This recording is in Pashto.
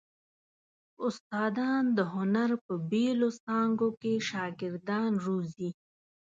استادان د هنر په بېلو څانګو کې شاګردان روزي.